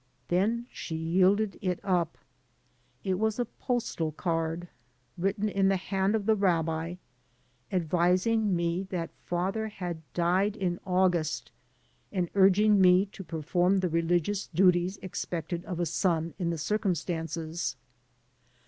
Then she yielded, it up. It was a postal card, written in the hand of the rabbi, advising me that father had died in August and urging me to perform the religious duties expected of a son in the circumstances.